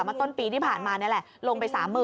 ต้นปีที่ผ่านมานี่แหละลงไป๓๐๐๐